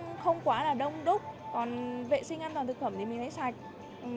các món ăn cũng rất là đông đúc còn vệ sinh an toàn thực phẩm thì mình thấy sạch